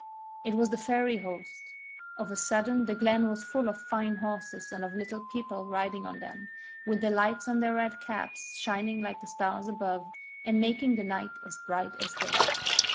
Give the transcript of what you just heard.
It was the fairy host. Of a sudden the glen was full of fine horses and of Little People riding on them, with the lights on their red caps, shining like the stars above, and making the night as bright as day.